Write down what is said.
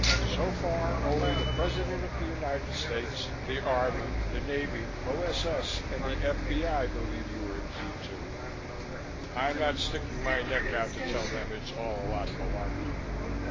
So far, only the President of the United States, the Army, the Navy, O.S.S. and the F.B.I. believe you were in Z 2. I'm not sticking my neck out to tell them it's all a lot of malarkey.